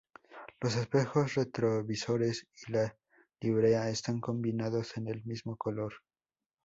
Los espejos retrovisores y la librea están combinados en el mismo color.